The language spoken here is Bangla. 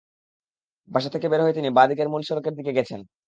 বাসা থেকে বের হয়ে তিনি বাঁ দিকের মূল সড়কের দিকে গেছেন।